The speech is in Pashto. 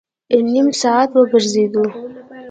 نیم ساعت وګرځېدو.